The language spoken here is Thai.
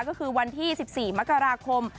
ก็คือวันที่๑๔มกราคม